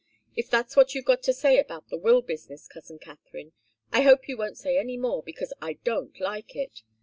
If that's what you've got to say about the will business, cousin Katharine, I hope you won't say any more, because I don't like it.